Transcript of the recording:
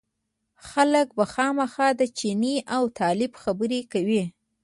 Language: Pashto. خلک به خامخا د چیني او طالب خبره کوي.